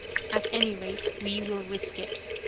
At any rate we will risk it.